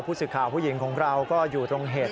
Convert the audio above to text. สื่อข่าวผู้หญิงของเราก็อยู่ตรงเหตุ